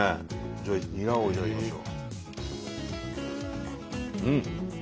じゃあニラを頂きましょう。